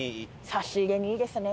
差し入れにいいですね。